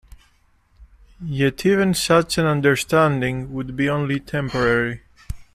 Yet even such an understanding would be only temporary.